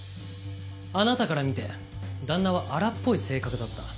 あなたから見て旦那は荒っぽい性格だった？